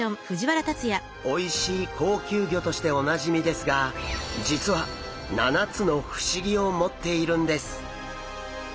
おいしい高級魚としておなじみですが実は７つの不思議を持っているんです。